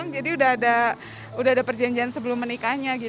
jadi sudah ada perjanjian sebelum menikahnya